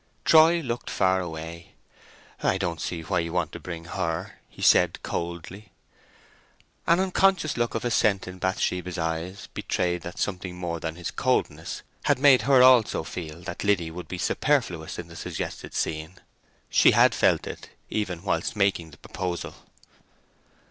Troy looked far away. "I don't see why you want to bring her," he said coldly. An unconscious look of assent in Bathsheba's eyes betrayed that something more than his coldness had made her also feel that Liddy would be superfluous in the suggested scene. She had felt it, even whilst making the proposal.